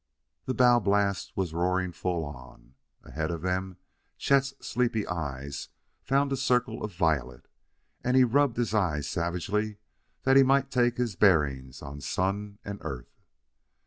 The bow blast was roaring full on. Ahead of them Chet's sleepy eyes found a circle of violet; and he rubbed his eyes savagely that he might take his bearings on Sun and Earth.